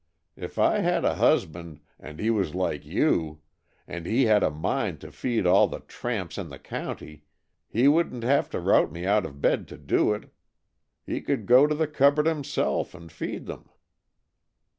If I had a husband, and he was like you, and he had a mind to feed all the tramps in the county, he wouldn't have to rout me out of bed to do it. He could go to the cupboard himself, and feed them."